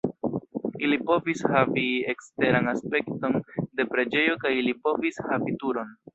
Ili povis havi eksteran aspekton de preĝejo kaj ili povis havi turon.